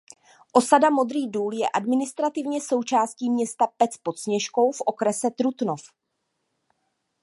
Osada Modrý Důl je administrativně součástí města Pec pod Sněžkou v okrese Trutnov.